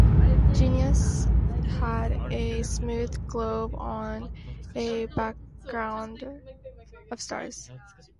"Genesis" had a smooth globe on a background of stars.